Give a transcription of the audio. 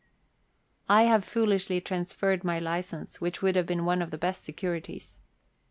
1 have foolishly transferred my license, which would have been one of the best securities.